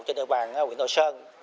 trên địa bàn huyện thoại sơn